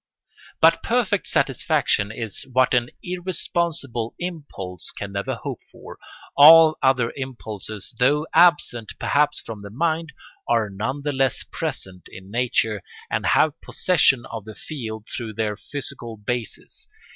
But perfect satisfaction is what an irresponsible impulse can never hope for: all other impulses, though absent perhaps from the mind, are none the less present in nature and have possession of the field through their physical basis.